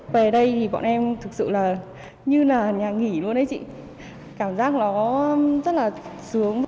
về đây thì bọn em thực sự là như là nhà nghỉ luôn ấy chị cảm giác nó rất là sướng